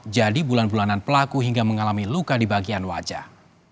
jadi bulan bulanan pelaku hingga mengalami luka di bagian wajah